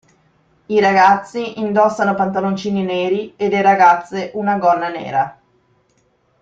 I ragazzi indossano pantaloncini neri e le ragazze una gonna nera.